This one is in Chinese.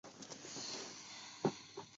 狭叶卷耳为石竹科卷耳属下的一个变种。